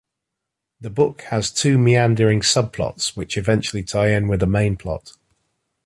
The book has two meandering subplots which eventually tie in with the main plot.